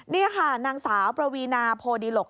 นี่ค่ะนางสาวประวีนาโพดิหลก